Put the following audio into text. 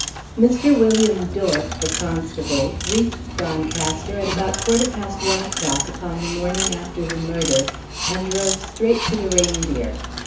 Mr. William Dork, the constable, reached Doncaster at about quarter past one o'clock upon the morning after the murder, and drove straight to the Reindeer.